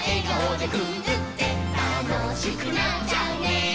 「たのしくなっちゃうね」